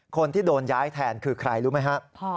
คนที่โดนย้ายแทนคือใครรู้ไหมฮะ